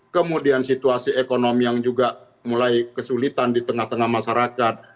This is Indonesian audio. kemudian situasi ekonomi yang juga mulai kesulitan di tengah tengah masyarakat